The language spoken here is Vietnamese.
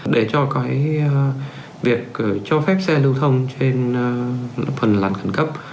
để cho cái việc cho phép xe lưu thông trên phần làn khẩn cấp